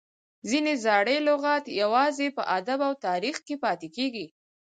ځینې زاړي لغات یوازي په ادب او تاریخ کښي پاته کیږي.